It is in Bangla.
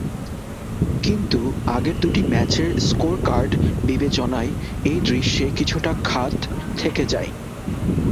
কিন্তু আগের দুটি ম্যাচের স্কোরকার্ড বিবেচনায় এই দৃশ্যে কিছুটা খাদ থেকে যায়।